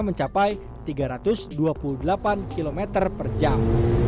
mencapai tiga ratus dua puluh delapan km per jam